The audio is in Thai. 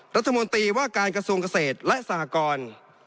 รัฐมนตรีว่าการกระทรวงเกษตรและสหกร